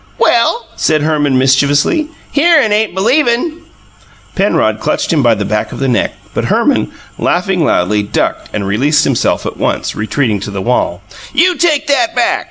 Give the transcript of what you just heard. "Well," said Herman mischievously, "hearin' ain't believin'!" Penrod clutched him by the back of the neck, but Herman, laughing loudly, ducked and released himself at once, retreating to the wall. "You take that back!"